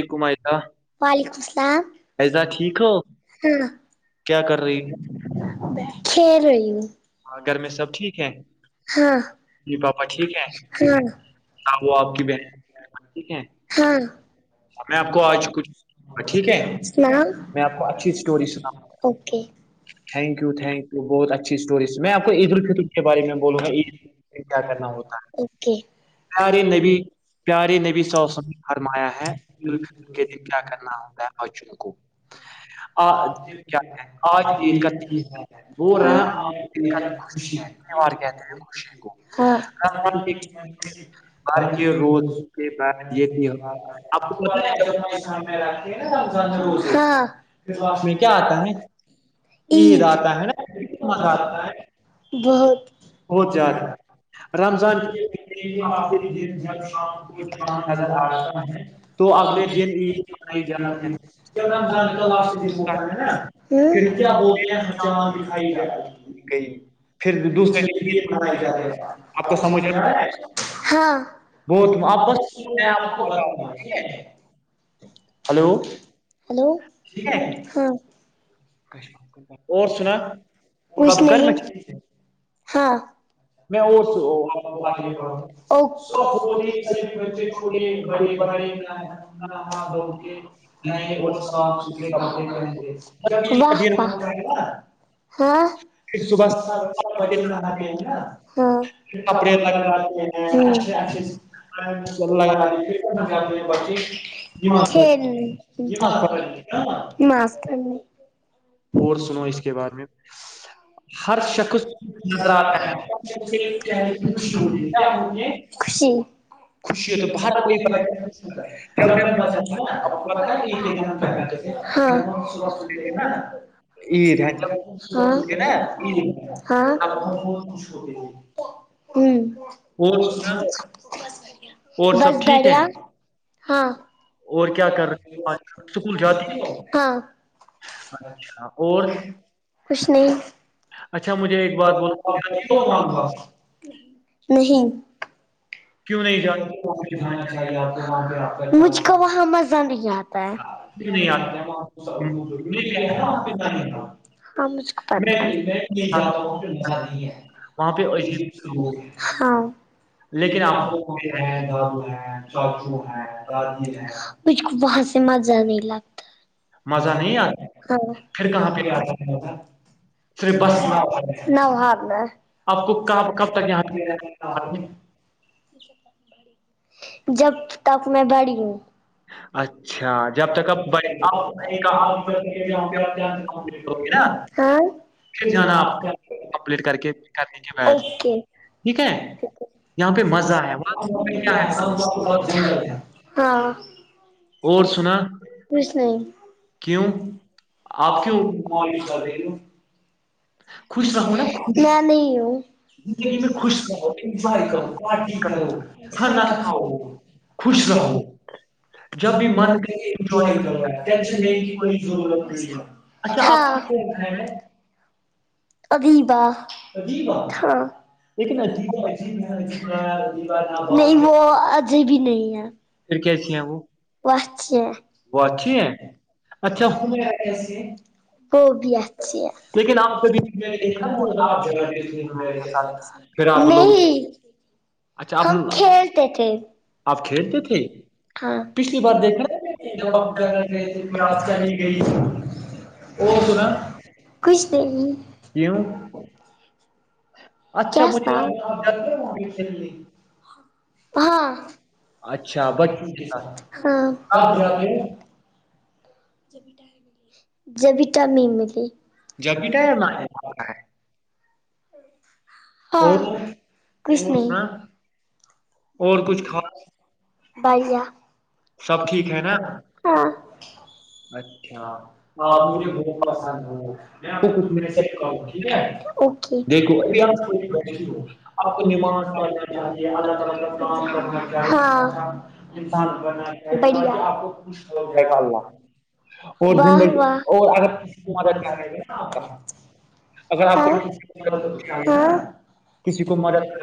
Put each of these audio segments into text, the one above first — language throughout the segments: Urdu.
ج کمارا [unintelligible] وعلیکم السلام ہاں ٹھیک ہو کیا کر رہی [unintelligible] کھیل رہ ہو؟ گھر میں سب ٹھیک ہے [unintelligible] ہاں جی پاپا ٹھیک ہے ہاں وہ آپ کی ا بہن [unintelligible] ٹھیک ہے [unintelligible] ہاں میں آپ مم کو آج کچھ ٹھیک ہے میں آپ کو اچھی اوکے [unintelligible] تھیک یو تنکیو بہت اچھا اچھی اسٹوریز سے میں آپ کو عید الفطر کے بارے میں بولوںا عید کیا کرنا ہوتا ہے اوکے پیارے نبی پیارے نبی صلی اللہ علیہ وسلم نے فرمایا ہے دن کیا کرنا ہوتا ہے بوں کو [unintelligible] کیا ہے آج عید کا دن بول رہا ہے آج عید کا دن خوشی ہے تہوار کہتے ہیں خوشی کو ہاں [unintelligible] رمضان کے اتوار کے روز کے بعد یہ تیوہار آپ کو پتا ہے سامنے ہےا اس میں کیا آتا ہے عید ہے آتا نا ہے کتنا مزہ آتا ہے بہت بہت زیادہ رمضان کے آخری دن جب شام کے شان نظر آتا ہے تو اگلے وہنے دن عید ج ب منائی جاتی ہے نا پھر کیا بتے کیا ہو ہیں دائی گئی پھر ھر دوسرے دن عید، مے آپ کو سمجھ آ ہاں وہ بہت آپ بس وپس میں آپ کو بتا بتاؤں گا دا ٹھیک ہے ہلو ہلو ہاں کش [inaudible] کھ نہیں ہاں میں اور سو- آگے پڑا سب بے چے بے بڑے ن اور صاف ستھرے کر د دن رہبا ہاں پھر صبح س نہاتے ہیں نا پھر کپڑے لگا لیے اچھے اچھے لگ لگا ہاں سر ہاں سر [unintelligible] مسکر نے [unintelligible] اور سنو اس کے بارے میں ہر شخص نظر رر ہے کہ آتا نا خ ہو خوشی ہو تو ب باہر کوئی ج جب میں نا سب کو پتاا عید یہ ہے جب ہے نا ہاں ہ اور سنا اور بس سب ٹھیک ہے بڑیا ہاں اور کیا کر رہے ہیں آج کل؟ اسکول جاتی ہے ہاں نا؟ اور کچھ نہیں اچھا مجھے ایک بات بولو کیوں نہیں کیوں نہیں جاتی مجھ کو وہاں مزہ نہیں آتا کیوں نہیں آتی آتاجھے وہاں پتنا نہیں تھاھ میں [inaudible] جا جاتا ہوں، رہا ہ م نہیں ہے وہاں وہ پہ پ ایج عجیب کے لوگ ہیںاں [inaudible] ہیں، لیکن دیکھیے آپ کو کوک ہے دار ہے [inaudible] مجھ کو وہاں سے مزہ نہیں لگتا [inaudible] مزہ نہیں آتا پھر کہاں پہ آتا ہے م پھر بس میں آ [inaudible] نا ح آپ کو کہاں کب تک یہاں پہ؟ میں [inaudible] بڑ [inaudible] جب تک میں بڑی ہوں اچ اچھا جب تک آپ بڑے آپ کا آپ جؤں گ سے کمپٹ کرو ہوگی نا [inaudible] [inaudible] پھر جانا آپ کمپلیٹ کر کے کرنے کے بعد اوکے ٹھیک ہے [inaudible] یہاں پہ مزہ ہے وہ میں کیا ہے [inaudible] ہاں [inaudible] اور سنا کچھ کیوں نہیں آپ کیوں [inaudible] معالش کر رہی ہو [inaudible] خوش رہو نا میں نہیں ہوں [inaudible] زندگی میں خوش رہو انجوائے رہو کرو پارٹی کرو کھانا کھاؤ [inaudible] خوش رہو جب بھی من سے انجوائے کرو ٹینشن دینے کی کوئی ضرورت نہیں ہے اچھا آپ اچا [inaudible] اگریباہ ہاں [inaudible] لیکن نہیں وہ اجھی بھی نہیں ہے [inaudible] پھر کیسی ہم [inaudible] اچھا ہے اچھا [inaudible] وہ بھی اچ ہے لیکن آپ کبھی دیکھا نا وہ ان آپ کے ج ساتھ؟ سات [inaudible] پھر آپ لوگ اچھا آپ ہم کھیلتے تھے آپ کھیلتے تھے ہاں پچھلی بار دیکھ جب آپ جگ گئے تھے پھر آپ چلی گئی نے سنا [inaudible] کچھ د [inaudible] کیوں [inaudible] اچھا کیا مجھے ہاں [inaudible] اچھا ش بچ ہاں [inaudible] جبٹا میں ملی جب بھی ٹائم آئے [inaudible] ہاں اور کرشنی [inaudible] سنا اور کچھ کھا بائیا سب ٹھیک ہے نا ہاں [inaudible] اچھا ا آپ مجھے بہت پسند ہو رہے میں ہیں آپ کو کچھ کٹنے سے نہیں ہ ٹھیک ہے [inaudible] دیکھو ابھی آپ چھوٹی بشی ہو آپ کو نماز پالا [inaudible] ال ال کرنااہ [inaudible] انسان بنا آپ کو خوش ہو جائے گا [inaudible] اور واہ بھی زندگی واہ [inaudible] اور اگر کسی کو مدد چاہیے اگر آپ کو کسی کو [inaudible] مدد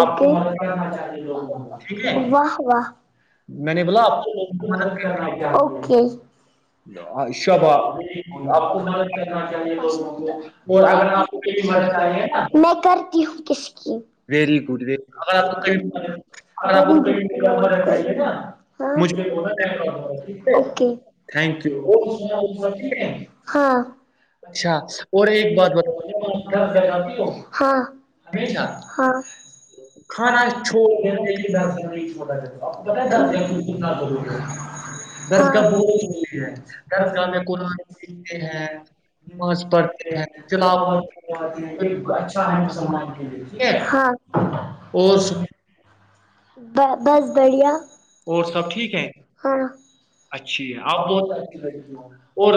آپ نا چاہیے لوگ واہ واہ میں نے بولا آپ [inaudible] کر اوکے [inaudible] [inaudible] آپ کو مدد کرنا چاہیے دووں کو [inaudible] اور آپ ماہ میں کرتی ہوں کس کی [inaudible] ویری گڈ اگر آ آپ کو کبھی [inaudible] اگر آپ کو ب چاہے مجھے نکے [inaudible] ھینک تھینک یو یوھیک ہے ہاں اچھا اور ایک بات بتا [inaudible] د ج ہاں [inaudible] اچھا ہشہ ہاں کھانا چھوڑ [inaudible] [inaudible] درسگاہ بہت درسگاہ میں کوتے ہیں نماز [inaudible] پڑھتے ہیں تلاوت ہے [inaudible] اور سن بس بڑیاب اور سب ٹھیک ہے ہاں اچھی ہے آپ وہ [inaudible] اور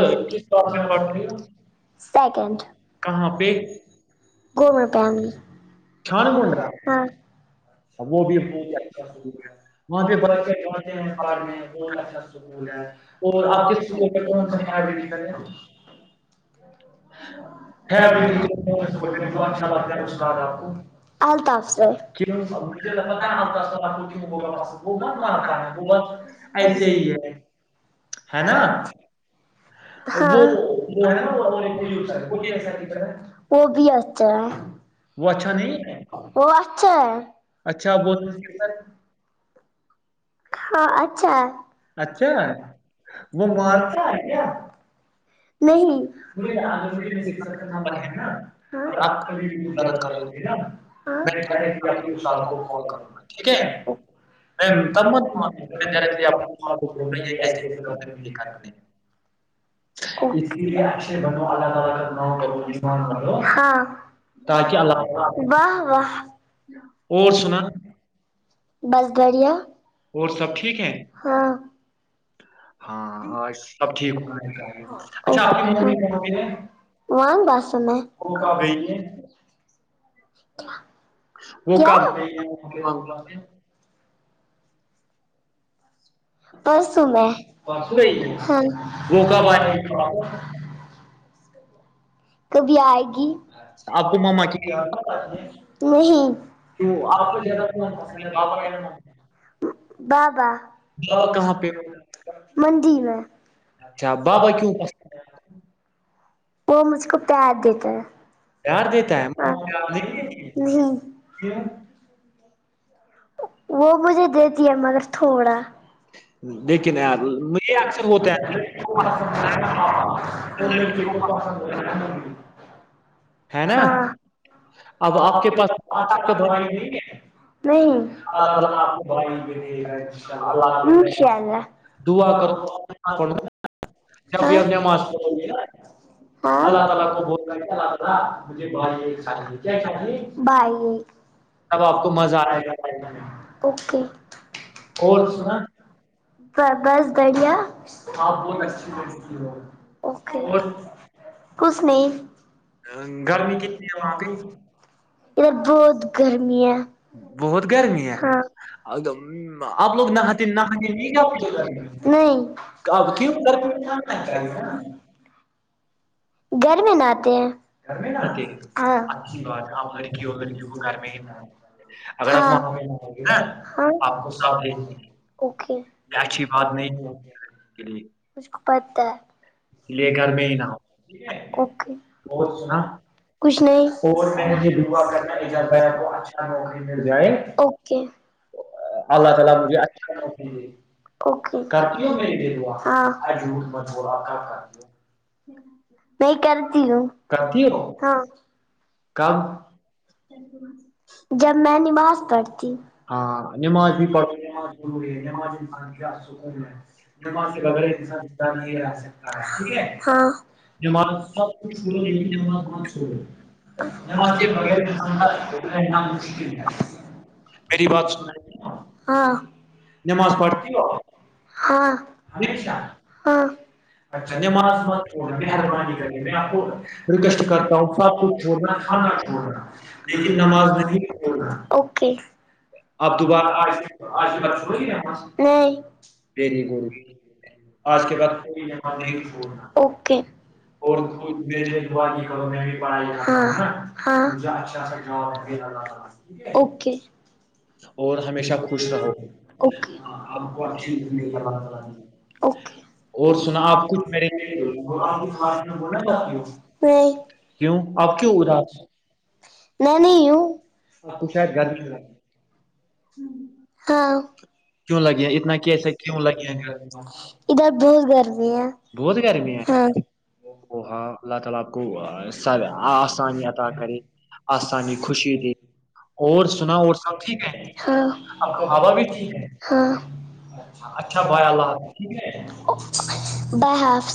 سیکنڈ کہاں پہ گورنمنٹ پرائمری چھان گنڈا وہ بھی بہت اچھا ہے وہاں پہ پڑھنے بہت اچھا اسکول ہے بس- اور آپ آ کے فیوریٹ ٹیچر [inaudible] [inaudible] [inaudible] ایسے ہی ہے ہے نا وہ وہ ہے نا کوئی سر وہ کیا ہے وہ بھی اچھا ہے وہ اچھا نہیں ہے اچھا وہ [inaudible] ہاں اچھا ہے اچھا ہے، وہ مرتا ہے کیا نہیں [inaudible] اگر آپ کبھی غلط بھیدت کریں کرو گے گی نا میں چاہے آپ [inaudible] سر کو کال فون کروں گا ٹھیک ہے ہے میں تب مت مان، میں ڈائریکٹلی آپ کو کال کروں گا، یہ ایسے نہیں [inaudible] [inaudible] اس کو اسی لیے اچھا بنو اللہ نام کرو، تعالی کا [inaudible] تاکہ اللہ واہ واہ [inaudible] اور سنا بس بڑیا اور سب ٹھیک ہے ہاں ہاں [inaudible] سب ٹھیک ہو۔ اچھا آپ کی ماں وہ کب گیے ہیں وہ کب ماما کیا پرسوں میں گئی ہے وہ کب آئے گی واپس کبھی آئے گی آپ کو ماما کی نہیں [inaudible] تو آپ کے بابا یا بابا کہاں پہ اچھا بابا [inaudible] کیوں بس وہ مجھ کو پیار دیتا ہے پیار دیتا ہے مگر نہیں کیوں وہ مجھے دیتی ہے مگر تھوڑا دیکھیے نہیں یہ اکثر ہوتا ہے [inaudible] ہے نا ہاں اب آپ کے پاس بھائی نہیں ہے نہیں ہے اللہ تعالی اللہ دعا کرو نماز پڑھو نا جب بھی آپ نماز اللہ تعالیٰ اپ بولتے کو [inaudible] [inaudible] مجھے بھائی ایک ہیں چاہیے کیا چاہیے بھائی تب آپ کو مزہ آئے گا اوکے اور سنا بس بڑھیا اور کچھ نہیں گرمی کتنی ہے وہاں ادھر بہت گرمی ہے بہت گرمی ہے اگر- آپ لوگ [inaudible] نہاتے نہانے نہیں جاتے اچھا آپ کیوں ہے گھر میں نا گھر میں نہاتے ہیں نہاتے ہیں؟ یہ بات آپ لڑکی اور لڑکے کو گھر میں ہی اگر آپ وہاں ہاں نا ہاں ہاں آپ کو اوکے کوئی اچھی بات نہیں کے لیے مجھے پتہ اس لیے گھر میں ہی ہے نہ اوکے ہو ہاں، اور یہ دعا کچھ بیٹھ ہو نہیں جائے اوکے اللہ تعالیٰ مجھے اچھا اوکے اوکے کرتی ہو میں ہاں کام [inaudible] نہیں کرتی ہوں کرتی ہوں ہاں کب جب میں نماز پڑھتی ہاں نماز بھی پڑو نماز نور ہے نماز انسان کا سکون ہے نماز کے بغیر انسان زندہ نہیں رہ سکتا ہے ٹھیک ہے ہاں نماز کو چھوڑو لیکن نماز مت چھوڑو نماز کے بغیر بغیر- انسان مشکل میری ہے بات سنو ہاں نماز پڑھتا ہاں ہاں ہوں نماز میں ہر وقت ریکویسٹ کرتا سب کچھ ہوں چھوڑنا اب کھانا چھوڑنا لیکن نماز سب نہیں کچھ پڑھنا چھوڑنا اوکے آپ دوبارہ ویری گڈ نہیں آج کے بعد اوکے اور خوش ہاں ہاں اوکے اور ہمیشہ خوش رہو اوکے اوکے نہیں اور سنا آپ کچھ میرے کیوں آپ کیوں اداس میں نہیں ہوں آپ کو شاید گرمی ہاں کیوں لگیا اتنا کیسے کیوں لگیا گھر ادھر بہت گرمی ہے بہت گرمی ہے ہاں او ہاں اللہ تعالی اپ کو آسانی عطا کرے آسانی خوشی دے اور سنا اور سب ٹھیک ہے ہاں ہاں بابا بھی ٹھیک ہے اچھا بھائی اللہ حافظ ٹھیک ہے بائے ہاف